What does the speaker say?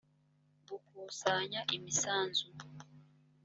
gukusanya imisanzu